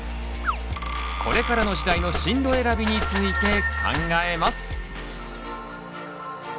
これからの時代の進路選びについて考えます！